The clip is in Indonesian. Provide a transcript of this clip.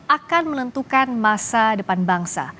akan menentukan masa depan bangsa